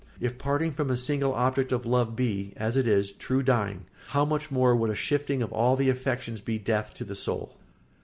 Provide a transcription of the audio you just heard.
If parting from a single object of love be, as it is, true dying, how much more would a shifting of all the affections be death to the soul.